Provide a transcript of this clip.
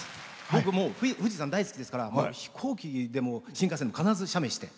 僕も富士山大好きですから飛行機でも新幹線でも必ず写メして。